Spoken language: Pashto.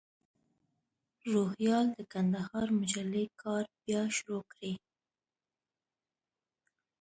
روهیال د کندهار مجلې کار بیا شروع کړی.